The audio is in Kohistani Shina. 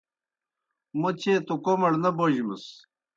موْ چیئے توْ کوْمڑ نہ بوجمَس۔